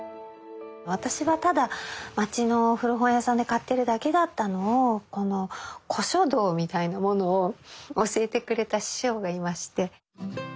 私はただ街の古本屋さんで買っているだけだったのを古書道みたいなものを教えてくれた師匠がいまして。